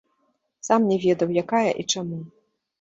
Сам не ведаў, якая і чаму.